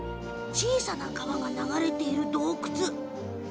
小さな川が流れている洞窟。